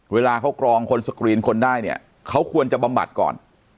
เวลาเขากรองคนสกรีนคนได้เนี่ยเขาควรจะบำบัดก่อน